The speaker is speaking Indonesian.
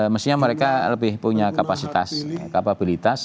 mestinya mereka lebih punya kapasitas kapabilitas